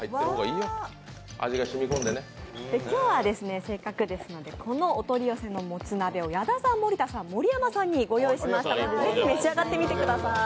今日はせっかくですのでこのお取り寄せのもつ鍋を矢田さん、森田さん、盛山さんに御用意しましたので是非、召し上がってみてください。